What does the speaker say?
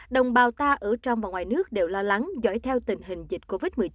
đồng bào ta ở trong và ngoài nước đều lo lắng giỏi theo tình hình dịch covid một mươi chín